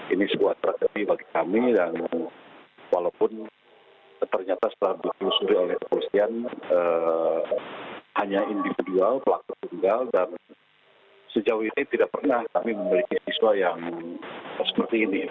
ini sebuah tragedi bagi kami dan walaupun ternyata setelah ditelusuri oleh kepolisian hanya individual pelaku tunggal dan sejauh ini tidak pernah kami memiliki siswa yang seperti ini